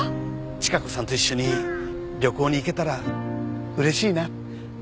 チカ子さんと一緒に旅行に行けたら嬉しいな。